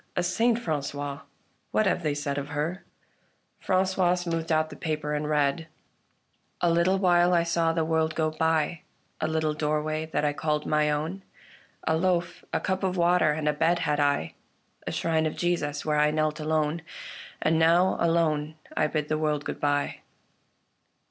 A saint, Frangois ! What have they said of her ?" Francois smoothed out the paper and read :" A little while I saw the world go by — A little doorway that I called my own, A loaf, a cup of water, and a bed had I, A shrine of Jesus, where I knelt alone : And now alone I bid the world good bye."